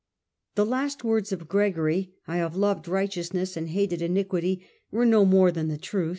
The last words of Gregory —* I have loved righteous ness and hated iniquity '— were no more than the truth.